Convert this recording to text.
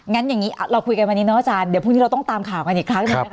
งั้นอย่างนี้เราคุยกันวันนี้เนาะอาจารย์เดี๋ยวพรุ่งนี้เราต้องตามข่าวกันอีกครั้งหนึ่งนะคะ